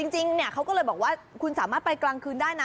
จริงเขาก็เลยบอกว่าคุณสามารถไปกลางคืนได้นะ